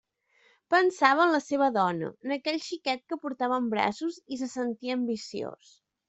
Pensava en la seua dona, en aquell xiquet que portava en braços, i se sentia ambiciós.